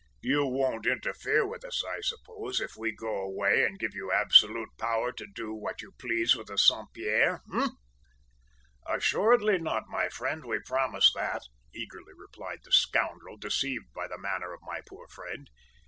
`You won't interfere with us, I suppose, if we go away and give you absolute power to do what you please with the Saint Pierre, eh?' "`Assuredly not, my friend; we promise that,' eagerly replied the scoundrel, deceived by the manner of my poor friend.